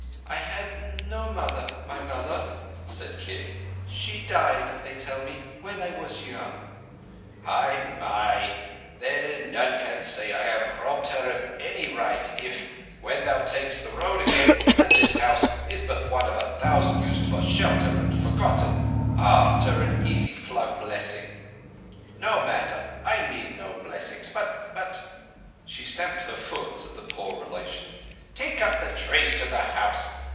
"I had no mother, my mother," said Kim. "She died, they tell me, when I was young." "Hai mai! Then none can say I have robbed her of any right if—when thou takest the road again and this house is but one of a thousand used for shelter and forgotten, after an easy flung blessing. No matter. I need no blessings, but—but—" She stamped her foot at the poor relation. "Take up the trays to the house.